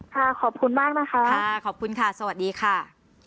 ค่ะขอบคุณมากนะคะสวัสดีค่ะค่ะขอบคุณค่ะสวัสดีค่ะ